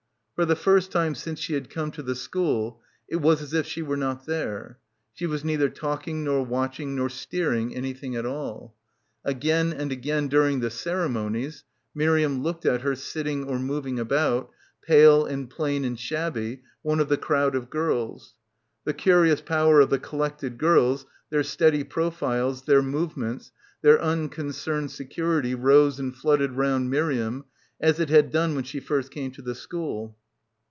For the first time since she had come to the school it was as if she were not there. She was neither talking nor watching nor steering anything at all. Again and again during the ceremonies Miriam looked at her sitting or moving about, pale and plain and shabby, one of the crowd of girls. The curious power of the collected girls, their steady profiles, their movements, their uncon cerned security rose and flooded round Miriam as it had done when she first came to the school.